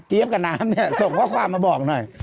เจี๊ยปกับน้ำนี้ส่งข้อความมาบอกหน่อย